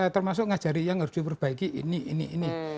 termasuk ngajari yang harus diperbaiki ini ini ini